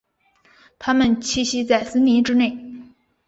它们栖息在森林之内。